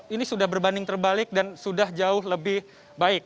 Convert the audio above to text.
ini sudah berbanding terbalik dan sudah jauh lebih baik